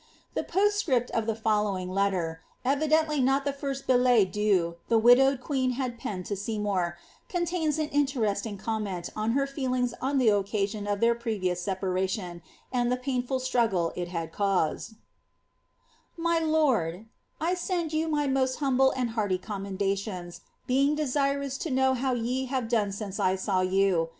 The postscript of following letter, evidently not the firat billet doux the widowed m had penned to Seymour, contains an interesting comment on her ngs on tlie occasion of their previous separation, and the painful ggle it had caused :—' lord, \ tend you my most humble and hearty commendations, being desirous to r how ye have done since I saw you.